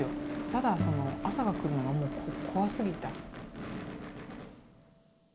ただ朝が来るのがもう怖すぎた。